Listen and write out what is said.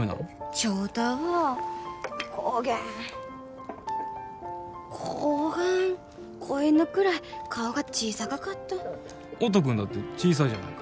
翔太はこげんこがん子犬くらい顔が小さかかった音くんだって小さいじゃない顔